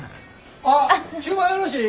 あっ注文よろしい？